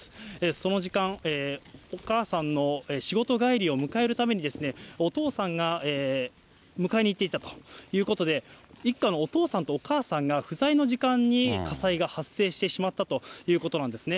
その時間、お母さんの仕事帰りを迎えるために、お父さんが迎えに行っていたということで、一家のお父さんとお母さんが不在の時間に火災が発生してしまったということなんですね。